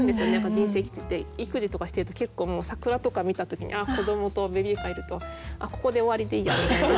人生生きてて育児とかしてると結構桜とか見た時に子どもとベビーカーいると「あっここで終わりでいいや」みたいな。